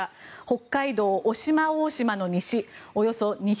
北海道・渡島大島の西およそ２１０ｋｍ